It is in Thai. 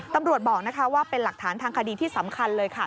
ตำรวจบอกนะคะว่าเป็นหลักฐานทางคดีที่สำคัญเลยค่ะ